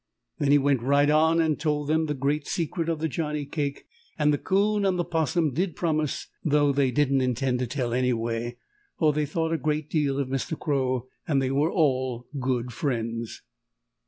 Then he went right on and told them the great secret of the Johnnie cake, and the 'Coon and the 'Possum did promise, though they didn't intend to tell anyway, for they thought a great deal of Mr. Crow and they were all good friends.